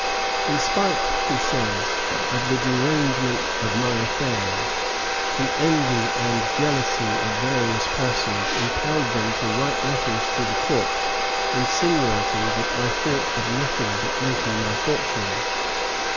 "In spite," he says, "of the derangement of my affairs, the envy and jealousy of various persons impelled them to write letters to the court insinuating that I thought of nothing but making my fortune.